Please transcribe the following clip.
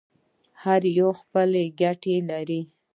هر یو خپله ګټه لري.